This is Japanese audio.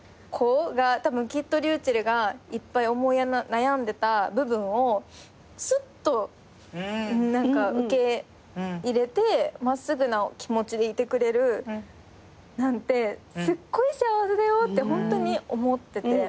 たぶんきっとｒｙｕｃｈｅｌｌがいっぱい思い悩んでた部分をすっと受け入れて真っすぐな気持ちでいてくれるなんてすっごい幸せだよってホントに思ってて。